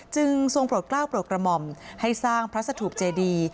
ทรงโปรดกล้าวโปรดกระหม่อมให้สร้างพระสถุปเจดี